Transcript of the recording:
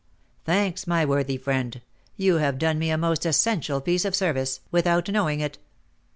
"Thanks, my worthy friend, you have done me a most essential piece of service, without knowing it."